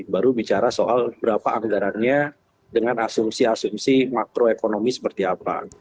baru bicara soal berapa anggarannya dengan asumsi asumsi makroekonomi seperti apa